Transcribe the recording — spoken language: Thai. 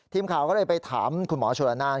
ทีมข่าวก็เลยไปถามคุณหมอชนละนาน